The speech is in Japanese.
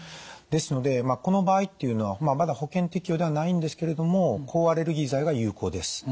ですのでこの場合っていうのはまだ保険適用ではないんですけれども抗アレルギー剤が有効です。